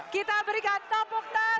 kita berikan tepuk tangan